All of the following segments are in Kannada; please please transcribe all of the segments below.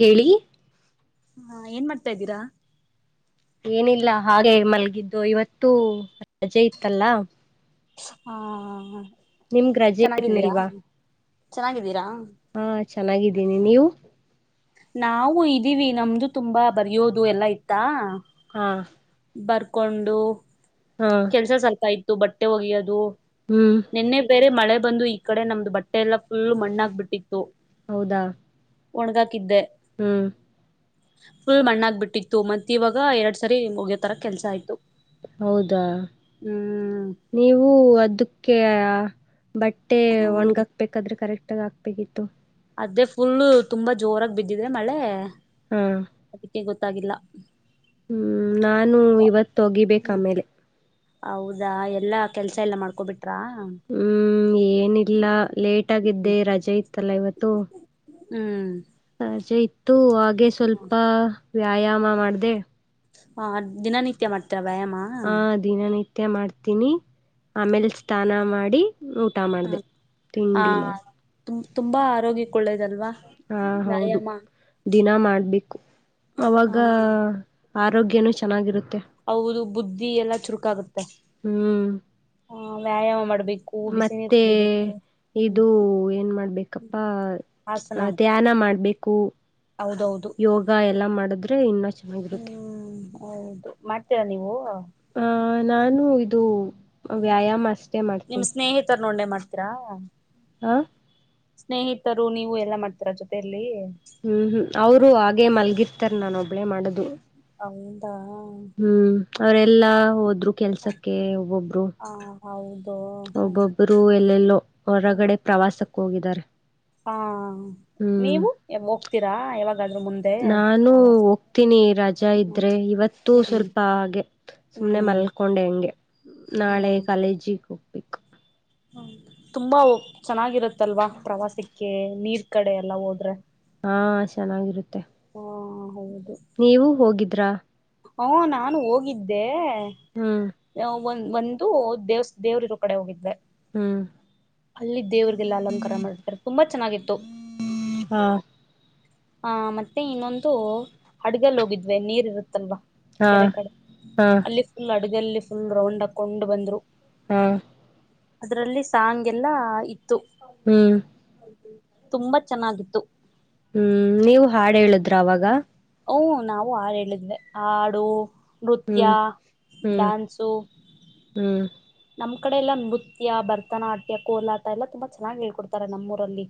ಹೇಳಿ ಹಾ ಏನ್ ಮಾಡ್ತಾ ಇದ್ದೀರಾ ಏನಿಲ್ಲ ಹಾಗೆ ಮಲ್ಗಿದ್ದು ಇವತ್ತುೂ ರಜೆ ಇತ್ತಲ್ಲ ಹಾ ನಿಮ್ಗೆ ರಜೆ ಚೆನ್ನಾಗಿದ್ದೀರಾ ಇರ್ನಿಲ್ವಾ ಚೆನ್ನಾಗಿದ್ದೀರಾ ಹಾ ಚೆನ್ನಾಗಿದ್ದೀನಿ ನೀವು ನಾವು ಇದೀವಿ ನಮ್ದು ತುಂಬಾ ಬರಯೋದು ಎಲ್ಲಾ ಇತ್ತಾ ಹಾ ಬರ್ಕೊಂಡು ಹಾ ಕೆಲ್ಸ ಸ್ವಲ್ಪ ಹ ಬಟ್ಟೆ ಒಗಿ ಯೋದು ಹ್ಮ್ ನಿನ್ನೆ ಬೇರೆ ಮಳೆ ಬಂದು ಈ ಕಡೆ ನಮ್ದು ಬಟ್ಟೆ ಎಲ್ಲ ಫುಲ್ ಮಣ್ಣಾಗಬ ಬಿಟ್ಟಿತ್ತು ಹೌದಾ ಹೋಣಗಾಕ್ ಕಿದ್ದೆ ಹ್ಮ್ ಫುಲ್ ಮಣ್ಣಾಗ ಬಿಟ್ಟಿತ್ತು ಮತ್ತೆ ಇವಾಗ ಎರಡ್ ಸರಿ ಹೊಗ್ಯತರ ಕೆಲ್ಸ ಆಯ್ತು ಹೌದಾ ಹ್ಮ್ ನೀವು ಅದಕ್ಕೆ ಹಾ ಬಟ್ಟೆ ಹ್ಮ ಒಣಗಾಕ್ಬೇಕಾದ್ರೆ ಕರೆಕ್ಟ್ ಆಕ್ಬೇಗಿತ್ತು ಅದೇ ಫುಲ್ ತುಂಬಾ ಜೋರಾಗಿ ಬಿದ್ದಿದ್ರೆ ಮಳೆ ಹಾ ಅದಕ್ಕೆ ಗೊತ್ತಾಗಿಲ್ಲ ಹ್ಮ್ ನಾನು ಇವತ್ತು ಹೋಗಿ ಬೇಕು ಆಮೇಲೆ ಹೌದಾ ಎಲ್ಲಾ ಕೆಲ್ಸ ಎಲ್ಲಾ ಮಾಡ್ಕೋಬಿಟ್ಟು ಹ್ಮ್ ಏನಿಲ್ಲ ಲೇಟ್ ಆಗಿದ್ದೆ ರಜೆ ತಲೈವತ್ತು ಹ್ಮ್ ಸಜೆ ಇತ್ತು ಹಾಗೆ ಸ್ವಲ್ಪ ವ್ಯಾಯಾಮ ಮಾಡಿದೆ ಹಾ ದಿನನಿತ್ಯ ಮಾಡ್ತ ವಯಾಮಾ ನಿತ್ಯ ಮಾಡ್ತೀನಿ ಆಮೇಲೆ ಸ್ನಾನ ಮಾಡಿ ಊಟ ಹ ಮಾಡ್ದ ಆ ತಿಂಡಿ ಮಾಡಿ ತು ತುಂಬಾ ಆರೋಗ್ಯಕ್ಕಳ್ಳೇದಲ್ವಾ ಹಾ ಹೌದು ದಿನ ಮಾಡ್ಬೇಕು ಹ ಅವಾಗ ಆರೋಗ್ಯನೂ ಚೆನ್ನಾಗಿರುತ್ತೆ ಹೌದು ಬುದ್ಧಿ ಎಲ್ಲ ಚುರುಕ ಆಾಗುತ್ತೆ ಹ್ಮ್ ವ್ಯಾಯಾಮ ಮಾಡಬೇಕ ಮತ್ತೆ ಹ್ಮ್ ಇದು ಏನ್ ಮಾಡ್ಬೇಕಪ್ಪಾ ಹಾಸನ ಧ್ಯಾನ ಮಾಡ್ಬೇಕು ಹೌದೌದು ಯೋಗ ಎಲ್ಲಾ ಮಾಡಿದ್ ಇನ್ನ ಚೆನ್ನಾಗಿರುತ್ತೆ ಹ್ಮ್ ಹೌದು ಮಾಡ್ತೀರಾ ನೀವು ಆಹ ನಾನು ಇದು ವ್ಯಾಯಾಮ ಅಷ್ಟೇ ಮಾಡ್ತೀನಿ ನಣೆ ಮಾಡ್ತೀರಾ ಆ ಸ್ನೇಹಿತರು ನೀವು ಎಲ್ಲಾ ಮಾಡ್ತರ ಜೊತೆಯಲ್ಲಿ ಹ್ಮ್ ಹ್ಮ್ ಅವರು ಹಾಗೆ ಮಲ್ಗಿರ್ತಾರ ನಾನೊಬ್ಬ ಒಬ್ಲೆ ಮಾಡೋದು ಹಿಂದ ಹ್ಮ್ ಅವ್ರಲ್ಲಾ ಹೋದ್ರು ಕೆಲ್ಸಕ್ಕೆ ಒಬ್ಬೊಬ್ರು ಹೌ ಒಬ್ಬೊಬ್ಬರು ಎಲ್ಲೆಲ್ಲೋ ಹೊರಗಡೆ ಪ್ರವಾಸ ಹೋಗಿದ್ದಾರೆ ಹಾ ಹ್ಮ್ ನೀವು ಹೋಗ್ತೀರಾ ಯಾವಾಗಾದ್ರೂ ಮುಂದೆ ನಾನು ಪ್ರವಾಸ ಹೋಗ್ತೀನಿ ರಜಾ ಹ್ಮ ಇದ್ರೆ ಇವತ್ತು ಹ್ಮ್ ಸ್ವಲ್ಪ ಹಾಗೆ ಸುಮ್ನೆ ಹ್ಮ್ ಮಲ್ಕೊಂಡೆ ಹೆಂಗೆ ನಾಳೆ ಕಾಲೇಜಿ ಪ ಹ ತುಂಬಾ ಚೆನ್ನಾಗಿರತ್ತಲ್ವಾ ಪ್ರವಾಸಕ್ಕೆ ನೀರ್ ಕಡೆ ಎಲ್ಲಾ ಹೋದ್ರೆ ಹಾ ಚೆನ್ನಾಗಿರುತ್ತೆ ಹೌ ನೀವು ಹೋಗಿದ್ರಾ [unintelligible] ಹಓ ನಾನು ಹೋಗಿದ್ದೆ ಹ್ಮ್ [unintelligible] ಯ ಹೂ ಒನ್ ಒಂದು ದೇವ್ಸ್ ದೇವ್ ದೇವ್ರ ಇರೋ ಕಡೆ ಹೋಗಿದೆ ಹ್ಮ್ ಅಲ್ಲಿ ದೇವ್ರರಿಗೆಲ್ಲ ಅಲಂಕಾರ ಮಾಡತಾರೆ ತುಂಬಾ ಚೆನ್ನಾಗಿತ್ತು ಹಾ ಆ ಮತ್ತೆ ಇನ್ನೊಂದು ಹಡ್ಗಲ್ ಹೋಗಿದ್ವೆ ನೀರ್ ಇರುತ್ತಲ್ವಾ ಹಾ ಕೆರೆ ಕಡೆ ಹಾ ಅಲ್ಲಿ ಫುಲ್ ಆ ಅಡಗಲ್ಲಿ ಫುಲ್ ರೌಂಡ್ ಹಾಕ್ಕೊಂಡು ಬಂದ್ರು ಹಾ ಅದ್ರಲ್ಲಿ ಸಾಂಗ್ ಎಲ್ಲಾ ಇ ತ್ತು ಹ್ಮ್ ತುಂಬಾ ಚೆನ್ನಾಗಿತ್ತು ಹ್ಮ್ ನೀವು ಹಾಡು ಹೇಳುದ್ರ ಅವಾಗ ಓ ನಾವು ಹಾಡು ಹೇಳಿದ್ವಿ ಹಾಡು ನೃತ್ಯ ಹ್ಮ್ ಹ್ಮ್ ಡ್ಯಾನ್ಸು ಹ್ಮ್ ನಮ್ಮ್ ಕಡೆ ಎಲ್ಲ ನೃತ್ಯ ಭರತನಾಟ್ಯ ಕೋಲಾಟ ಎಲ್ಲಾ ತುಂಬಾ ಚೆನ್ನಾಗಿ ಹೇಳ್ಕೊಡ್ತಾರೆ ನಮ್ಮೂರಲ್ಲಿ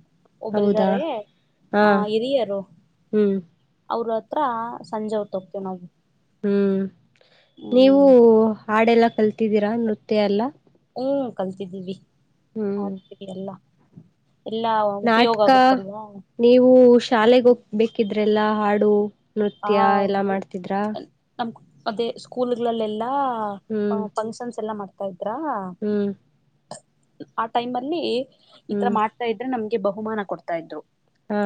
ಹೌದಾ ಒಬ್ಬರಾರೆ ಹಾ ಆ ಹಿರಿಯರು ಹ್ಮ್ ಅವರು ಹತ್ರ ಸಂಜೆ ಹೊತ ಹೋಗ್ತೇವಿ ನಾವು ಹ್ಮ್ ನೀವು ಹ್ಮ್ ಹಾಡೆಲ್ಲಾ ಕಲ್ತಿದ್ದೀರಾ ನೃತ್ಯ ಎಲ್ಲ ಹ್ಮ್ ಕಲ್ತಿದ್ದೀವಿ ಹ್ಮ್ [unintelligible] ಎಲ್ಲ ನಾಟಕ ಆಗುತ್ತಲ್ವಾ ನೀವು ಶಾಲೆೆಗೆ ಹೋಗ್ಬೇಕಿದ್ರೆ ಅವರೆಲ್ಲ ಹಾಡು ಆ ನೃತ್ಯ ಎಲ್ಲ ಮಾಡ್ತಿದ್ರಾ ನಮ್ ಅದೇ ಸ್ಕೂಲ್ಗಳಲ್ಲೆಲ್ಲಾ ಹ ಹ್ಮ್ ಫಂಕ್ಷನ್ಸ್ ಎಲ್ಲ ಮಾಡ್ತಾರೆ ಥೈ ತ್ರಾ ಹ್ಮ್ ಆ ಟೈಮ್ ಅಲ್ಲಿ ಈ ತರ ಹ್ಮ್ ಮಾಡ್ತಾ ಇದ್ರೆ ನಮ ಬಹುಮಾನ ಕೊಡ್ತಾ ಇದ್ರು ಹಾ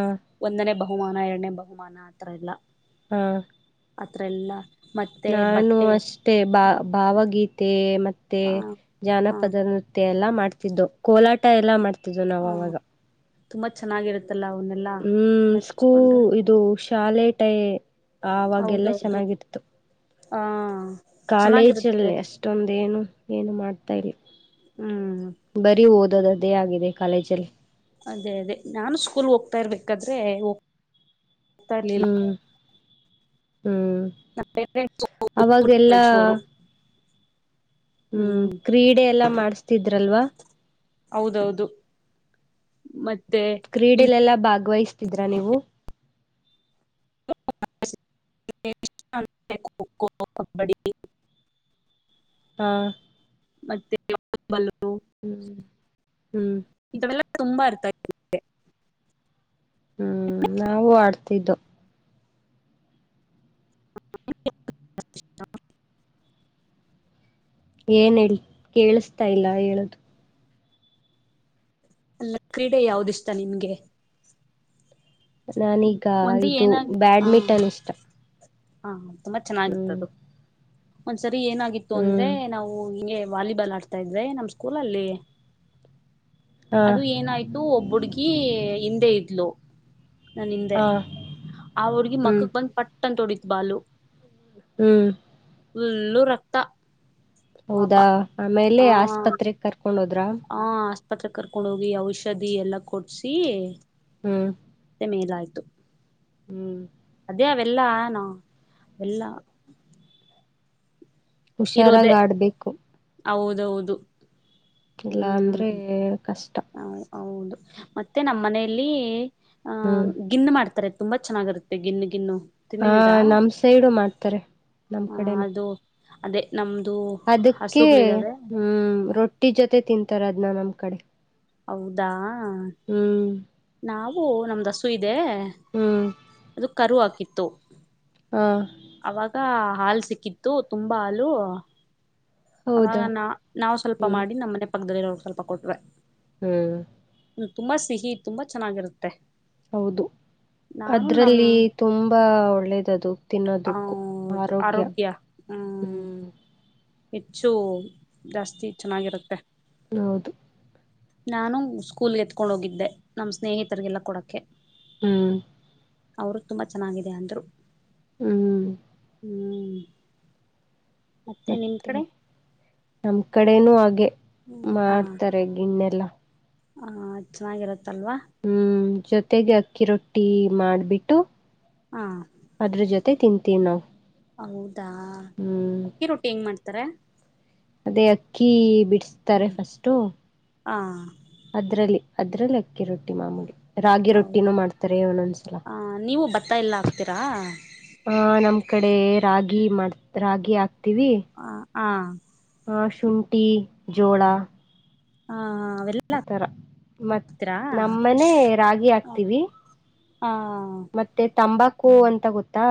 ಒಂದನೇ ಬ ಬಹುಮಾನ ಎರಡನೇ ಬಹುಮಾನ ಆತ್ರರ ಎಲ್ಲ ಹಾ ಆಥರ ಎಲ್ಲ ನಾನು ಅಷ್ಟೇ ಬಾ ಭಾವಗೀತೆ ಮತ್ತು ಮ ತ್ತೆ ಆ ಜಾನ ಹಾ ನೃತ್ಯ ಎಲ್ಲ ಮಾಡ್ತಿದ್ದು ಕೋಲಾಟ ಎಲ್ಲ ಮಾಡ್ತ ಇದು ನ ಹಾ ಅವವಾಗ ತುಂಬಾ ಚೆನ್ನಾಗಿರುತ್ತೆ ಹ್ಮ್ ಸ್ಕೂ ಇದು ಚಾಲೆಟ್ ಆವಾಗ ಎಲ್ಲಾ ಹೌದೌದು ಚೆನ್ನಾಗಿರ್ತು ಹಾ ಕಾಲೇಜ ಚೆನ್ನಾಗಿರುತ್ತೆ ಅಲ್ಲಿ ಅಷ್ಟೊಂದ ಏನು ಏನು ಮಾಡ್ತ ತರಿ ಹ್ಮ್ ಬರಿ ಓದು [inaudible] ಆಗಿದೆ ಕಾಲೇಜ ಅಲ್ಲಿ ಅದೇ ಅದೇ ನಾನು ಸ್ಕೂಲ್ ಹೋಗ್ತಾ ಇರ್ಬೇಕಾದ್ರೆ ಹೋಗ್ತಾ ಇರ್ಲಿಲ್ಲ. ಹ್ಮ್ ಹ್ಮ್ ನಮ್ ಪೇರೆಂಟ್ಸ್ ಅವಾಗೆ ಎಲ್ಲಾ ಕಳ್ಸೋರು ಹ್ಮ್ ಕ್ರೀಡೆ ಎಲ್ಲಾ ಮಾಡಸ್ತಿದ್ರಲ್ವಾ ಹೌದೌದು ಮತ್ತೆ ಕ್ರೀಡೇಲಿ ಎಲ್ಲಾ ಭಾಗವಹಿಸ್ತಿದ್ರಾ ನೀವು ಖೋಖೋ ಕಬಡ್ಡಿ ಹಾ [unintelligible] ಬಲ ಹ್ಮ್ ಹ್ಮ್ ಇಲ್ಲ ತುಂಬಾ ಅರ್ಥ ಆ ಹ್ಮ್ ನವು ಆಡ್ತಿದ್ದ [unintelligible] ಏನ್ಹೇಳಿ ಕೇಳಿಸತಾ ಇಲ್ಲ ಹೇಳುದು ಅಲ್ಲ ಕ್ರೀಡೆ ಯಾವ್ದ ಇಷ್ಟ ನಿಮ್ಗೆ ನಾನೀಗ ಒಂದ ಇದು ಬ್ಯಾಡ್ಮಿಂಟನ್ ಇಷ್ಟ ಹಾ ಹ ತುಂಬಾ ಹ್ಮ್ ಚೆನ್ನಾಗಿತ್ತದು ಹ ಸರಿ ಏನಾಗಿತ್ತು ಅಂದ್ರೆ ಹ್ಮ್ ನಾವು ಹಿಗೆ ವಾಲಿಬಾಲ್ ಆಡ್ತಾ ಇದೆ ನಮ ಸ್ಕೂಲಲ್ಲಿ ಹಾ ಅದು ಏನಾಯ್ತು ಒಬ್ಬುಡ್ಗಿ ಹಿಂದೆ ಇದ್ಲು ನನ್ ಹಿಂದೆ ಹಾ ಆ ಹುಡ್ಗಿ ಹ್ಮ್ ಮಕ್ಕಕ್ ಬಂದ್ ಪಟ್ಟ ಅಂತೊಡಿತೂ ಬಾಲು ಹ್ಮ್ ಪುಲ್ ರಕ್ತ ಹೌದಾ ಪಾಪ ಆಮೇಲೆ ಆ ಆಸ್ಪತ್ರೆ ಕರ್ಕೊಂಡ್ ಹೋದ್ರ ಹ ಪತ್ರ ಕರ್ಕೊಂಡ್ ಹೋಗಿ ಔಷಧಿ ಎಲ್ಲಾ ಕೊಡ್ಸಿ. ಹ್ಮ್ ಮೇಲ್ ಆಯ್ತು. ಹ್ಮ್ ದೆ ಅವೆಲ್ಲಾ ನೊ ಎಲ್ಲ. ಹುಷಾರಾಗ್ ಆಡ್ಬೇಕು. ಹೌದೌದು. ಇಲ್ಲ ಅಂದ್ರೆ ಕಷ್ ಹೌ ಹೌದು ಮತ್ತೆ ನಮ್ ಮನೆಲ್ಲಿ. ಆಹ ಹ್ಮ್ ಗಿನ್ನ ಮಾಡ್ತಾರೆ. ತುಂಬಾ ಚೆನ್ನಾಗಿರುತ್ತೆ ಗಿನ್ ಗಿನ್ನು. ಹಾ ತಿಂದಿದ್ದೀರಾ ನಮ್ ಸೈಡು ಮಾಡ್ತಾರೆ ನಮ್ ಆ ಕಡೆನು. ಅದು ಅದೇ. ನಮ್ದು ಅದಿಕ್ಕೆ ಹಸುಗಳಿದಾವೆ ಹ್ಮ ರೊಟ್ಟಿ ಜೊತೆ ತಿಂತರ್ ಅದ್ ನ ನಮ್ಮ್ ಕಡೆ. ಹೌದಾ. ಹ್ಮ್ ನಾವು ನಮ್ದಸು ಇದ್ ದೆ ಹ್ಮ್ ಅದು ಕರು ಹಾಕಿತ್ ತ್ತು ಹಾ ಅವಾಗ ಹಾಲ್ ಸಿಕ್ಕಿತ್ತು ತುಂಬಾ ಹಾಲು. ಅವಾಗ್ ಹೌದಾ ನ ನಾವ್ ಸ್ವಲ್ಪ ಹ್ಮ್ ಮಾಡಿ ನಮ್ಮನೆ ಪಕ್ದಲ್ ಇರೋರ್ ಸ್ವಲ್ಪ ಕೊಟ್ವೇ. ಹ್ಮ್ ತುಂಬಾ ಸಿಹಿ ತುಂಬಾ ಚನ್ನಾಗಿರುತ್ ಹೌದು ನಮ್ ಅದ್ರಲ್ಲಿ ತುಂಬಾ ಒಳ್ಳೇದ್ ಅದು. ಆ ತಿನ್ನೋದುಕ್ಕು ಆರೋಗ್ಯ ಹ್ಮ್. ಹೆಚ್ಚು ಜಾಸ್ತಿ ಚೆನ್ನಾಗಿರುತ್ತೆ. ಹೌದು. ನಾನು ಸ್ಕೂಲ್ಗೆ ಎತ್ಕೊಂಡ್ ಹೋಗಿದ್ದೆ ನಮ್ಮ್ ಸ್ನೇಹಿತ್ರಿಗೆಲ್ಲ ಕೊಡೂಕೆ. ಹ್ಮ್ ಅವ್ರು ತುಂಬಾ ಚೆನ್ನಾಗಿದೆ ಅಂದ್ರು. ಹ್ಮ್ ಹ್ಮ್ ನಿಮ್ ಮತ್ತೆ ಕಡೆ ನಮ್ ಕಡೆನೂ ಆಗ್ ಮಾಡ್ತಾರೆ ಗಿಣ್ನೆಲ್ಲಾ. ಹ ಚೆನ್ನಾಗಿರುತ್ ಹ್ಮ್ ಜೊತೆಗೆ ಅಕ್ಕಿ ರೊಟ್ ಟೀ ಮಾಡ್ಬಿಟ್ಟು. ಹಾ ಅದ್ರು ಜೊತೆ ತಿಂ ತಿ ನಾವ್. ಹೌದಾ ಅಕ್ಕಿ ರೊಟ್ಟಿ ಹೆಂಗ್ ಮಾಡ್ತಾರೆ. ಅದೇ ಅಕ್ಕಿ ಬಿ ಬಿಸ್ತಾರೆ ಫಸ್ಟು. ಹಾ ಅದ್ರಲ್ಲಿ ಅದ್ರಲ್ಲಿ ಅಕ್ಕಿ ರೊಟ್ಟಿ ಮಾಮೂಲಿ. ರಾಗಿ ಹೌ ರೊಟ್ಟಿನೂ ಮಾಡ್ತಾರೆ ಒನೊಂದ್ಸಲ ಆ ನೀವು ಭತ್ತ ಎಲ್ಲ ಹಾಕ್ತೀರಾ ಆ ನಮ್ ಕಡೆ ರಾಗಿ ಮಾಡ್ ರಾಗಿ ಹಾಕ್ ತೀವಿ. ಹಾ ಹಾ ಶುಂಟಿ ಜೋಳಾ. ಹಾ ಹ. ಆತರ ಮತ್ ನಮ್ಮನೆ ರಾಗಿ ಹಾಕ್ತಿವಿ. ಆ ಮತ್ತೆ ತಂಬಾಕ್ ಕು ಅಂತ ಗೊತ್ತಾ.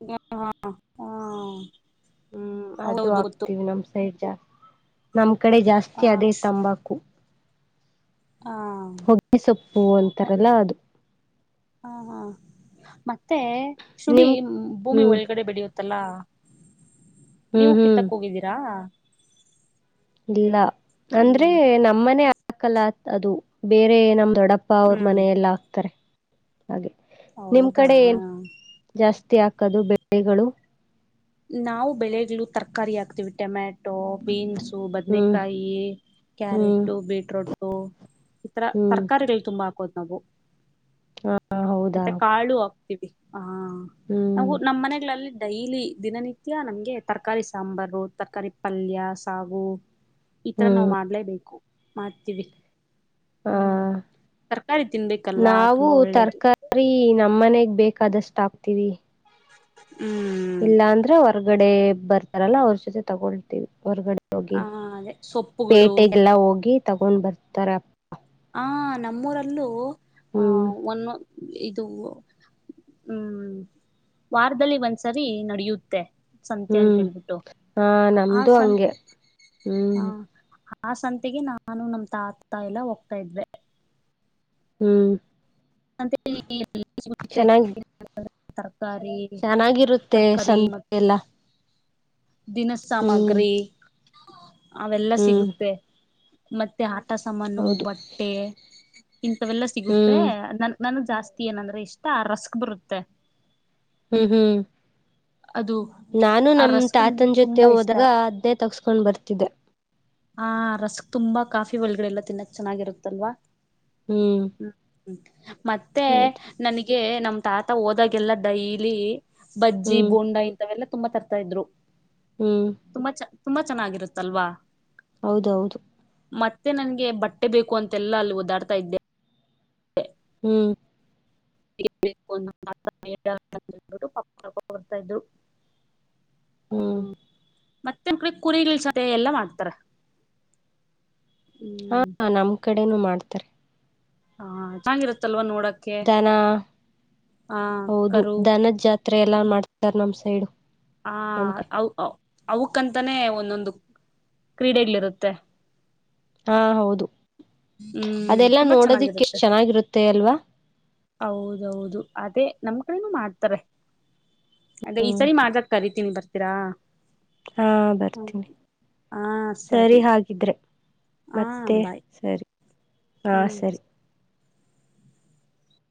[unintelligible] ಹಾ. ಹ್ಮ್ ಅದು ಹೌದೌದು ಗೊತ್ತು ಆಗ್ತಿವಿ ನಮ್ ಸೈ ತೈಜ ನಮ್ ಕಡೆ ಜಾಸ್ತಿ ಆ ಅದೇ ತಂಬಾಕು. ಆ ಹೊಗ್ಗೆ ಸೊಪ್ಪು ಅಂತರಲ್ಲಾ ಅದು. ಹಾ ಹಾ ಮತ್ ತ್ತೆ ಶುಡಿ ನಿಮ್ ಭೂಮಿ ಹ್ಮ್ ಒಳ್ಗಡೆ ಬೆಳ್ಯೋದು. ತಲ. ಹ್ಮ್ ನೀವು ಹ್ಮ್ ಕಿತ್ತಕ್ ಹೋಗಿದ್ದೀರಾ. ಲೀಲಾ ಅಂದ್ರೆ ಹ್ಮ್ ನಮ್ಮನೆ. ದಾಖಲಾತ್ ಅದು ಬೇರೆ ನಮ್ ದೊಡ್ಡಪ್ಪ ಅವ್ರ್ ಹ್ಮ್ ಮನೆಯಲ್ ಹಾಕ್ತಾರೆ. [inaudible] ಹಾಗೆ ನಿಮ್ ಹೌದಾ ಕಡೆ ಏನ್ ಜಾಸ್ ತಿ ಹಾಕದು ಬೆಳೆಗಳು ನಾವು ಬೆಳೆಗ್ಗಳು ತರಕಾರಿ ಹಾಕ್ತಿವಿ ಟೊಮ್ಯಾಟೊ ಬೀನ್ಸು ಹ್ಮ್ ಬದನೇಕಾಯಿ ಹ್ಮ್ ಕ್ಯಾರೆಟು ಬೀಟ್ರೋಟ್ ಹೊ ಈ ತರ ಹ್ಮ್ ತರಕಾರಿಗಳು ತುಂಬಾ ಕೊಂದವು ಹ ಹೌದಾ ಮತ್ತೆ ಕಾಳು ಅಪ್ ಹಿದ್ದಿ ಹಾ ನಾವು ಹ್ಮ್ ನಮ್ಮ್ ಮನೆಗಳಲ್ಲಿ ಡೈಲಿ ದಿನನಿತ್ಯ ನಮ್ಗೆ ತರಕಾರಿ ಸಾಂಬಾರು ತರಕಾರಿ ಪಲ್ಯ ಸಾಗು ಈತರ ನಾವ್ ಹ್ಮ್ ಮಾಡ್ಲೇಬೇಕು ಮಾಡ್ತೀವಿ ಹ್ಮ್ ಹ ತರಕಾರಿ ತಿನ್ಬೇಕಲ್ವಾ ನಾವು ತುಂಬಾ ಒಳ್ಳೇದು ತರಕಾರಿ ನಮ್ಮನೆಗ್ ಬೇಕ ಕಾದಷ್ಟ ಹಾಕ್ತೀವಿ [inaudible] ಇಲ್ಲಾ ಅಂದ್ರ ಹೊರಗಡೆ ಬರ್ತಾರಲ್ಲ ಅವ್ರ ಜೊತೆ ತಗೊಂಡತೀವಿ ಹೊರ್ಗಡೆ ಹೋಗಿ ಆ ಅದೇ ಸೊಪ್ಪುಗಳು ಪೇಟೆಗೆಲ್ಲ ಹೋಗಿ ತಗೊಂಡ್ ಬರ್ತಾರ ಹ ನಮ್ಮೂರಲ್ಲೂ ಆ ಹ್ಮ್ ಒಂನ್ನು ಇದು ಹ್ಮ್ ವಾರದಲ್ಲಿ ಒಂದ್ಸರಿ ನಡೆಯುತ್ತೆ ಸಂತೆ ಅಂತ ಹ್ಮ್ ಹೇಳ್ಬಿಟ್ಟು ಹಾ ಆ ನಮ್ದು ಸಂ ಹಂಗೆ ಆ ಹ್ಮ್ ಆ ಸಂತೆಗೆ ನಾನು ನಮ ತಾತ ಎಲ್ಲ ಒತ ತ ಇದ್ರೆ ಹ್ಮ್ ಚೆನ್ನಾಗಿ [unintelligible] ತರ್ ಚೆನ್ನಾಗಿರುತ್ತೆ ಸಂತೆ ಎಲ್ಲ ದಿನಸಾಮಗ್ರಿ ಅವೆಲ್ಲಾ ಹ್ಮ್ ಸಿಗುತ್ತೆ ಮತ್ತೆ ಹ ಪಟ್ಟಸಮನು ಹೌದು ಬಟ್ಟೆ [inaudible] ಇಂಥವೆಲ್ಲಾ ಸಿಗುತ್ತೆ ಹ್ಮ್ ಅನ್ ನಾನು ಜಾಸ್ತಿ ಏನಂದ್ರೆ ಇಷ್ಟ ಆ ರಸ್ಕ್ ಬರುತ್ತೆ ಹ್ಮ್ ಹ್ಮ್ ಅದು ನಾನು ಆ ನಮ್ ರಸ್ಕ್ ತಾತನ್ ಜೊತೆ ತುಂಬಾ ಇಷ್ಟ ಹೋದಾಗ ಅದ್ನೇ ತಗ್ಸ್ ಕೊಂಡ್ ಬರ್ತಿದ್ದೆ. ಹಾಂ ರಸ್ಕ್ ತುಂಬಾ ಕಾಫಿ ಒಳಗಡೆ ಎಲ್ಲ ತಿನ್ನಕ್ ಚೆನ್ನಾಗಿರುತ್ತಲ್ವಾ? ಹ್ಮ್ [unintelligible] ಮತ್ತೆ ಹೌದು ನನಿಗ್ ಗೆ ನಮ್ ತಾತ ಹೋದಾಗೆಲ್ಲ ಡೈಲಿ ಬಜ್ಜಿ ಹ್ಮ್ ಬೋಂಡಾ ಇಂಥವೆಲ್ಲ ತುಂಬಾ ತರ್ತಾಯಿದ್ರು. ಹ್ಮ್ ತುಂಬಾ ಚೆನ್ನಾಗಿರುತ್ತಲ್ವಾ? ಹೌದೌದು. ಮತ್ತೆ ನನ್ಗೆ ಬಟ್ಟೆ ಬೇಕು ಅಂತೆಲ್ಲಾ ಅಲ್ ಓದಾಡ್ತಾ ಇದ್ದೆ. ಏ. ಹ್ಮ್ [unintelligible] ದ್ರು. ಹ್ಮ್ ಮತ್ತೆ ನಮ್ ಕಡೆ ಕುರಿ [unintelligible] ಎಲ್ಲಾ ಮಾಡ್ತಾರ. ಹಾ ಹ್ಮ್ ನಮ್ಕಡ್ ಏನು ಮಾಡ್ತಾರೆ. ಹಾ ಚನ್ನಾ ಇರುತ್ಲ್ವಾ ನೋಡಕ್ ದನ ಹೌದು ಕರು ದನದ್ ಜಾತ್ರೆ ಎಲ್ಲ ಮಾಡ್ತಾರ್ ನಮ್ ಸೈಡು. ಹ ನಮ್ ಕಡೆ ಹೌ ಹೌ. ಅವುಕ್ಕಂತಾನೇ ಒಂದೊಂದು ಕ್ರೀಡೆಗ್ಳಿರುತ್ತೆ. ಹಾ ಹೌದು. ಹ್ಮ್ ಅದೆಲ್ಲಾ ತುಂಬಾ ನೋಡೋದಿಕ್ ಚೆನ್ನಾಗಿರುತ್ತೆ. ಎಷ್ಟ್ ಚೆನ್ನಾಗಿರುತ್ತೆ ಅಲ್ವಾ ನಮ್ ಕಡೆನು ಮಾಡ್ತಾರೆ. ಅದೇ ಹ್ಮ್ ಈಸರಿ ಮಾಜಕ್ ಕರಿತೀನಿ ಬರ್ ತಿರ. ಹಾ ಬರ್ತೀನಿ ಸರಿ ಹಾಗಿದ್ರೆ. ಹಾ ಮತ್ತೆ ಬಾಯ್ ಸರಿ. ಹಾ ಸರಿ.